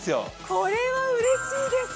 これはうれしいです。